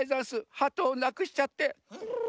ハトをなくしちゃって。